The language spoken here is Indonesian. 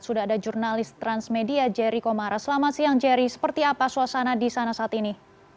sudah ada jurnalis transmedia jerry komara selamat siang jerry seperti apa suasana di sana saat ini